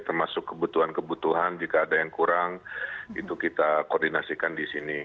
termasuk kebutuhan kebutuhan jika ada yang kurang itu kita koordinasikan di sini